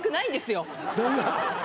どんな？